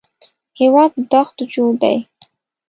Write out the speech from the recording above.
هېواد له دښتو جوړ دی